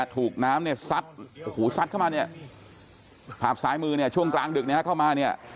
ถูกน้ำเนี่ยซัดโอ้โหซัดเข้ามาเนี่ยภาพซ้ายมือเนี่ยช่วงกลางดึกเนี่ยเข้ามาเนี่ย